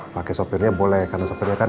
pakai sopirnya boleh karena sopirnya kan